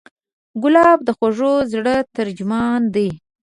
ګلاب د خوږه زړه ترجمان دی.